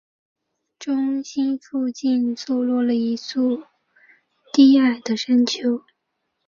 中心附近坐落了一群低矮的山丘。